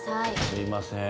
すいません